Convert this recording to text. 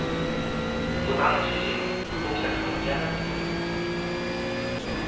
旅館の主人もボクちゃんにはお似合いだと思うよ。